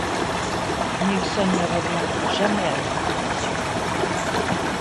Nilsson ne reviendra jamais à la compétition.